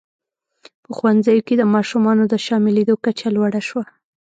په ښوونځیو کې د ماشومانو د شاملېدو کچه لوړه شوه.